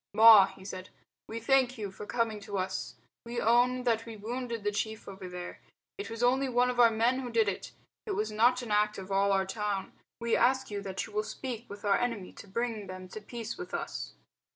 "Ma," he said, "we thank you for coming to us. We own that we wounded the chief over there. It was only one of our men who did it. It was not the act of all our town. We ask you that you will speak with our enemy to bring them to peace with us."